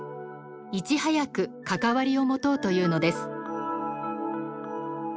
いち早く関わりを持とうというのです。